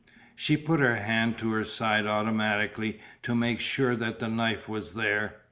She put her hand to her side automatically to make sure that the knife was there.